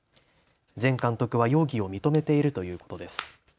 前監督は容疑を認めているということです。